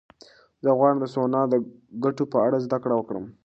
زه غواړم د سونا د ګټو په اړه زده کړه وکړم.